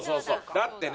だってね